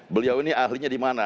beliau ini ahlinya di mana